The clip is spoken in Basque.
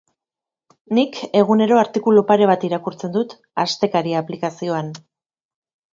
Nik egunero artikulu pare bat irakurtzen dut Astekaria aplikazioan.